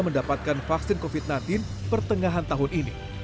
mendapatkan vaksin covid sembilan belas pertengahan tahun ini